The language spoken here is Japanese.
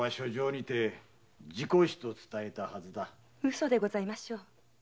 嘘でございましょう。